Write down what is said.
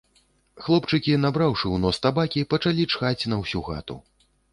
Хлопчыкі набраўшы ў нос табакі, пачалі чхаць на ўсю хату.